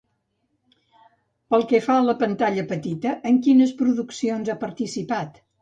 Pel que fa a la pantalla petita, en quines produccions ha participat?